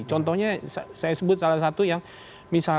contohnya saya sebut salah satu yang misalnya